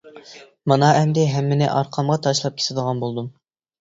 مانا ئەمدى ھەممىنى ئارقامغا تاشلاپ كېتىدىغان بولدۇم.